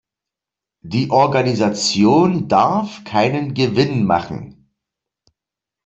Die Organisation darf keinen Gewinn machen.